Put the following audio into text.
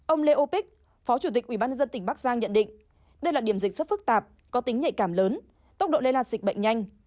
ông lê o bích phó chủ tịch ubnd tỉnh bắc giang nhận định đây là điểm dịch rất phức tạp có tính nhạy cảm lớn tốc độ lây lan dịch bệnh nhanh